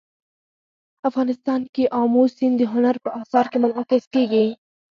افغانستان کې آمو سیند د هنر په اثار کې منعکس کېږي.